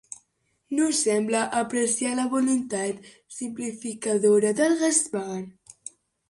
No sembla apreciar la voluntat simplificadora del Gaspar.